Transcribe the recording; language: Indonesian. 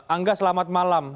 angga selamat malam